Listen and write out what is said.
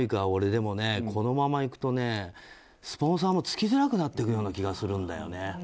俺、でもこのままいくとスポンサーもつけれなくなってくるような気がするんだよね。